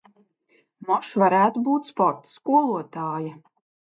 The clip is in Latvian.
Moš varētu būt sporta skolotāja.